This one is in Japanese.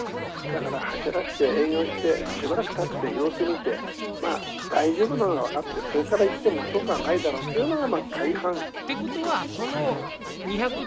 だから走らして営業してしばらくたって様子見て大丈夫なのが分かってそれからいっても遅くはないだろうっていうのが大半。ってことはその２１０キロ出さずにまずは。